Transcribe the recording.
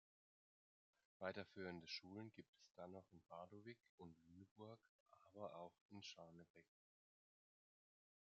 Weiterführende Schulen gibt es dann in Bardowick und Lüneburg, aber auch in Scharnebeck.